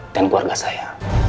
dan keluarga saya